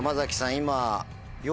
今。